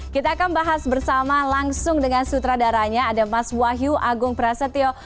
kita akan bahas bersama langsung dengan sutradaranya ada mas wahyu agung prasetyo